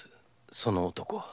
その男は。